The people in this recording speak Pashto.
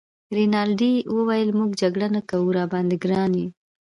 رینالډي وویل: موږ جګړه نه کوو، راباندي ګران يې.